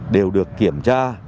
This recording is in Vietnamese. đều được kiểm tra